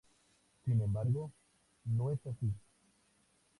Sin embargo, no es así.